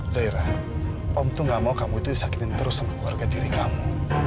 zairah om itu gak mau kamu itu disakinin terus sama keluarga diri kamu